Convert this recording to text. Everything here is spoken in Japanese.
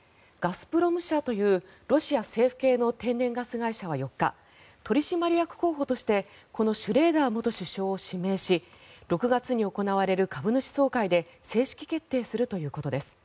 ガスプロム社というロシア政府系の天然ガス会社は４日取締役候補としてこのシュレーダー元首相を指名し６月に行われる株主総会で正式決定するということです。